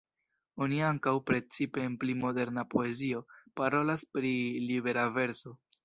Oni ankaŭ, precipe en pli "moderna" poezio, parolas pri libera verso.